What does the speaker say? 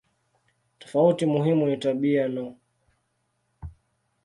Tofauti muhimu ni tabia no.